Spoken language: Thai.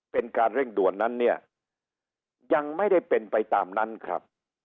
เป็นการเร่งด่วนนั้นเนี่ยยังไม่ได้เป็นไปตามนั้นครับ